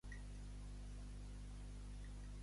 Ahir per ahir.